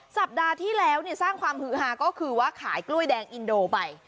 สัปดาห์ที่แล้วสร้างความฮือฮาก็คือว่าขายกล้วยแดงอินโดไป